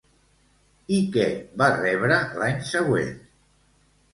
I què va rebre l'any següent?